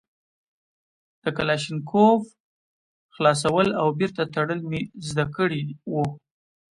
د کلاشينکوف خلاصول او بېرته تړل مې زده کړي وو.